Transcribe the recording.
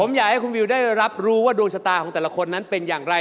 ผมอยากให้คุณวิวได้รับรู้ว่าดวงชะตาของแต่ละคนนั้นเป็นอย่างไร